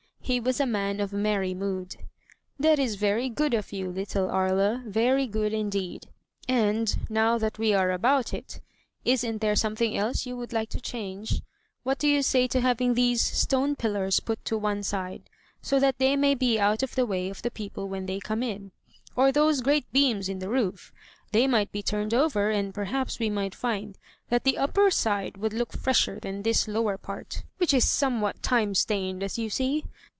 He was a man of merry mood. "That is very good of you, little Aria; very good indeed. And, now that we are about it, isn't there something else you would like to change? What do you say to having these stone pillars put to one side, so that they may be out of the way of the people when they come in? Or those great beams in the roof— they might be turned over, and perhaps we might find that the upper side would look fresher than this lower part, which is somewhat time stained, as you see?